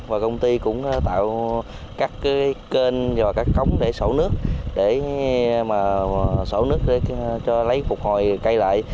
và công ty cũng tạo các kênh và các cống để sủ nước để mà sổ nước cho lấy phục hồi cây lại